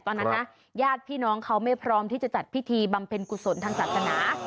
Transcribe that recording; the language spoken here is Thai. ตอนนั้นนะญาติพี่น้องเขาไม่พร้อมที่จะจัดพิธีบำเพ็ญกุศลทางศาสนา